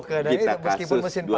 dan itu meskipun mesin partai